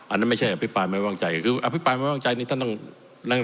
อันนั้นไม่ใช่อภิปรายไม่ว่างใจคืออภิปรายไม่ว่างใจนี่ท่านต้องนั่ง